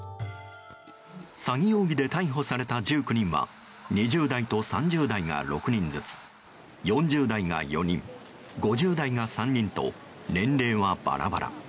詐欺容疑で逮捕された１９人は２０代と３０代が６人ずつ４０代が４人、５０代が３人と年齢はバラバラ。